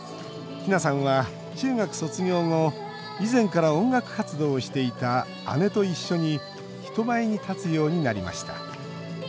ひなさんは中学卒業後以前から音楽活動をしていた姉と一緒に人前に立つようになりました。